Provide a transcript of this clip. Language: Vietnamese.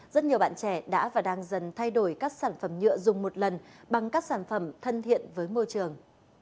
rất nhiều bạn trẻ đã và đang dần thay đổi các sản phẩm nhựa dùng một lần bằng các sản phẩm thân thiện với môi trường